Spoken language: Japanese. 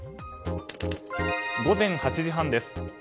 午前８時半です。